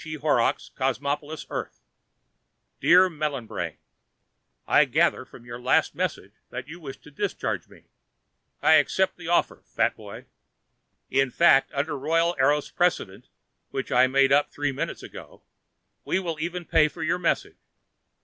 E. Horrocks, Cosmopolis, Earth Dear melon brain: I gather from your last message that you wish to discharge me. I accept the offer, fat boy. In fact, under royal Eros precedent, which I made up three minutes ago, we will even pay for your message.